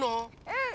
うん！